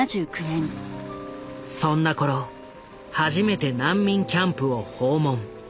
そんなころ初めて難民キャンプを訪問。